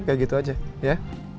kayak gitu aja ya